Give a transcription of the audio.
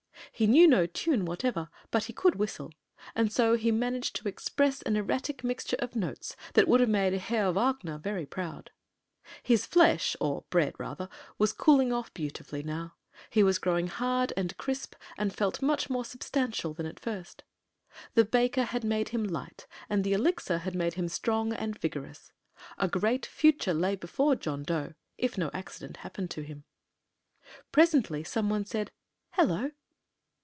He knew no tune whatever, but he could whistle, and so he managed to express an erratic mixture of notes that would have made Herr Wagner very proud. His flesh (or bread, rather) was cooling off beautifully now. He was growing hard and crisp and felt much more substantial than at first. The baker had made him light and the Elixir had made him strong and vigorous. A great future lay before John Dough, if no accident happened to him. Presently some one said, "Hello!"